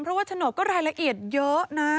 เพราะว่าโฉนดก็รายละเอียดเยอะนะ